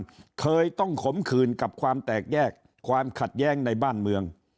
เคยต้องขมขืนกับความแตกแยกความขัดแย้งในบ้านเมือง